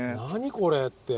これ」って。